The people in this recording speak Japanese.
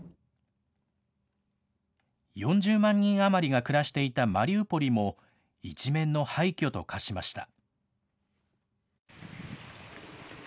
４０万人余りが暮らしていたマリウポリも、一面の廃虚と化しました。